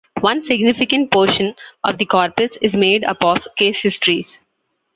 One significant portion of the corpus is made up of case histories.